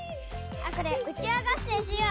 あっこれうちわがっせんしよう！